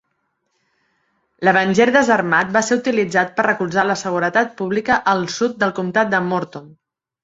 L'Avenger desarmat va ser utilitzat per recolzar la seguretat pública al sud del comtat de Morton.